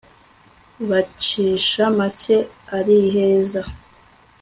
bacisha make ariheza